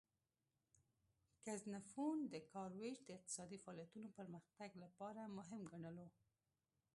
ګزنفون د کار ویش د اقتصادي فعالیتونو پرمختګ لپاره مهم ګڼلو